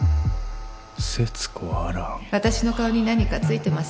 私の顔に何か付いてます？